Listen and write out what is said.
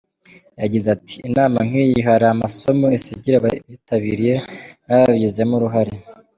Yagize ati “Inama nk’iyi hari amasomo isigira abitabiriye n’ababigizemo uruhare.